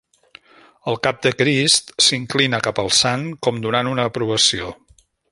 El cap de Crist s'inclina cap al sant com donant una aprovació.